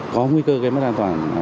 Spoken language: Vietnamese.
có nguy cơ gây mất an toàn